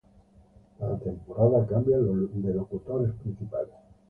Cada temporada cambian de locutores principales.